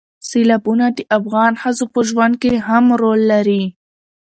سیلابونه د افغان ښځو په ژوند کې هم رول لري.